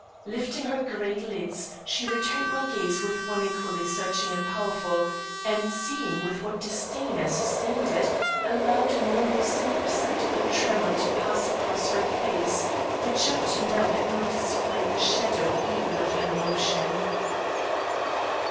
Lifting her great lids, she returned my gaze with one equally searching and powerful, and seeing with what disdain I sustained it, allowed an almost imperceptible tremor to pass across her face, which up to now had not displayed the shadow even of an emotion.